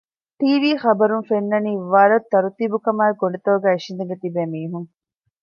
ޓީވީ ޚަބަރުން ފެންނަނީ ވަރަށް ތަރުތީބުކަމާއެކު ގޮޑިތަކުގައި އިށީނދެގެން ތިބޭ މީހުން